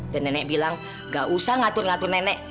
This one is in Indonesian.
dan nenek bilang gak usah ngatur ngatur nenek